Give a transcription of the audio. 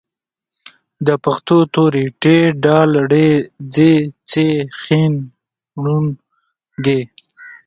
د پښتو توري: ټ، ډ، ړ، ځ، څ، ښ، ڼ، ږ